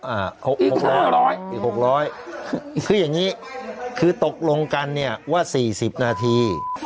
อ่าอีกห้าร้อยอีกห้าร้อยอีกห้าร้อยคืออย่างงี้คือตกลงกันเนี้ยว่าสี่สิบนาที